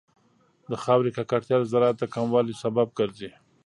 د خاورې ککړتیا د زراعت د کموالي سبب ګرځي.